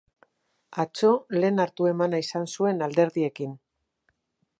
Atzo lehen hartu-emana izan zuen alderdiekin.